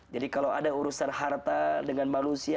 jadi kalau ada urusan harta dengan manusia